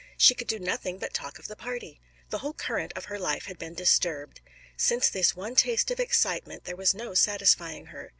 She could do nothing but talk of the party. The whole current of her life had been disturbed. Since this one taste of excitement there was no satisfying her.